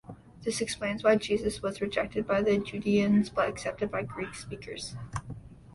This explains why Jesus was rejected by the Judeans but accepted by Greek speakers.